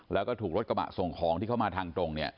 แล้วก็ถูกรถกระบะส่งของที่เข้ามาทางตรงเนี่ย